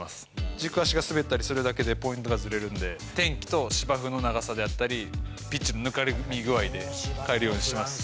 軸足が滑ったりするだけで、ポイントがずれるんで、天気と芝生の長さであったり、ピッチのぬかるみ具合で、かえるようにしてます。